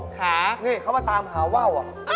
เขามาหาภาวว์